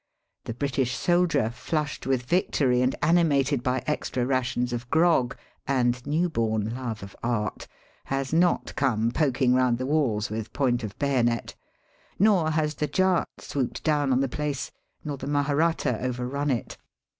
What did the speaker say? The British soldier, flushed with victory and animated by extra rations of grog and new born love of art, has not come poking round the walls with point of bayonet ; nor has the Jat swooped down on the place, nor the Maharatta overrun it.